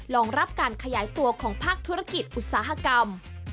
รองรับการขยายตัวของภาคธุรกิจอุตสาหกรรม